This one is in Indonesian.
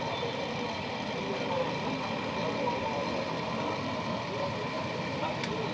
dari persona melihat ni seribu sembilan ratus tujuh puluh tiga di pilihan perundangan indonesia tidak baru kepada sekolah gini pyotri telusu dki dan bar